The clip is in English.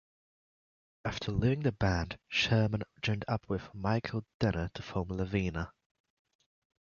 After leaving the band, Shermann joined-up with Michael Denner to form Lavina.